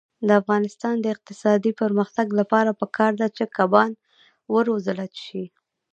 د افغانستان د اقتصادي پرمختګ لپاره پکار ده چې کبان وروزلت شي.